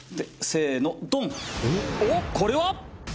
おっこれは！？